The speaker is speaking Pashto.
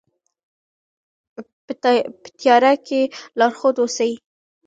په تیاره کې لارښود اوسئ.